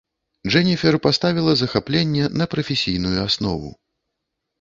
Джэніфер паставіла захапленне на прафесійную аснову.